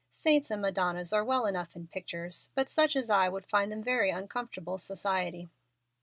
Saints and Madonnas are well enough in pictures, but such as I would find them very uncomfortable society."